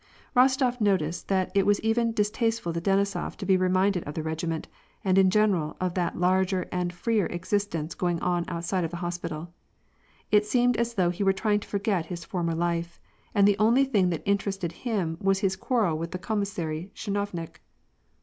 Rostof noticed that it was even distasteful to Denisof to be reminded of the regiment, and in general of that larger and freer existence going on outside of the hospital. It seemed as though he were trying to forget his former life, and the only thing that interested nim was his quarrel with the commissary chinovnik.